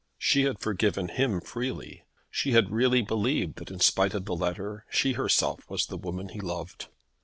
She had forgiven him freely. She had really believed that in spite of the letter she herself was the woman he loved.